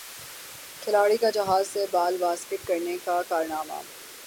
کھلاڑی کا جہاز سے بال باسکٹ کرنے کا کارنامہ